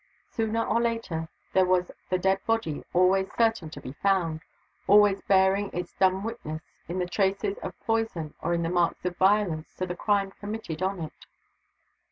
Sooner or later, there was the dead body always certain to be found; always bearing its dumb witness, in the traces of poison or in the marks of violence, to the crime committed on it.